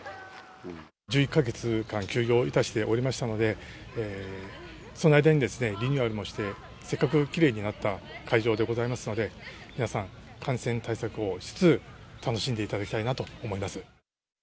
１１か月間、休業いたしておりましたので、その間にリニューアルもして、せっかくきれいになった会場でございますので、皆さん、感染対策をしつつ、楽しんでいただきたいなと思います。